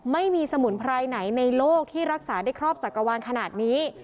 ไม่มีสมุนไพรไหนในโลกที่รักษาได้ครอบจักรวาลขนาดนี้